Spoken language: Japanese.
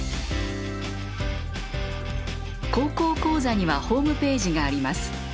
高校講座にはホームページがあります。